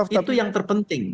itu yang terpenting